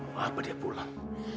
mau apa dia pulang